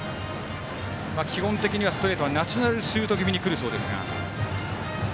基本的にはストレートはナチュラルシュート気味にくるようですが。